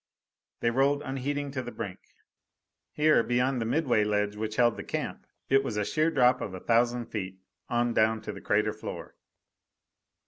They rolled unheeding to the brink. Here, beyond the midway ledge which held the camp, it was a sheer drop of a thousand feet, on down to the crater floor.